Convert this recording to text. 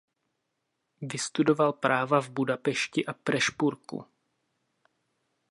Vystudoval práva v Budapešti a Prešpurku.